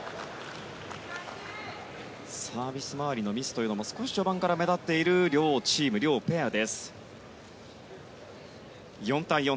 サービス回りのミスというのも少し、序盤から目立っている両チーム、両ペアです。